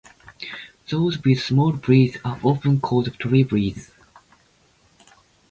Those with small brims are often called trilbies.